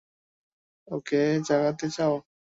ওকে জাগাতে চাও?